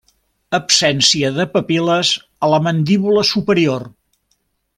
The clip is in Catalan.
Absència de papil·les a la mandíbula superior.